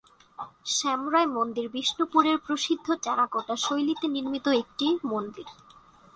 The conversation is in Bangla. শ্যামরায় মন্দির বিষ্ণুপুরের প্রসিদ্ধ টেরাকোটা শৈলীতে নির্মিত একটি মন্দির।